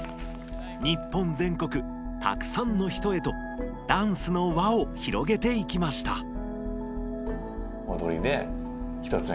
日本全国たくさんの人へとダンスの輪をひろげていきました。